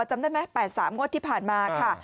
จำได้ไหม๘๓งวดที่ผ่านมาค่ะ